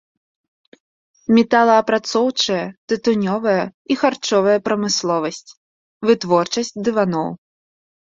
Металаапрацоўчая, тытунёвая і харчовая прамысловасць, вытворчасць дываноў.